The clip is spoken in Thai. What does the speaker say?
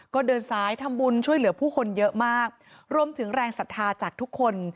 ก็เดินซ้ายทำบุญช่วยเหลือผู้คนเยอะมากรวมถึงแรงศรัทธาจากทุกคน